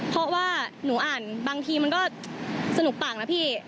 เพราะว่าหนูอ่านบางทีมันก็สนุกปากนะพี่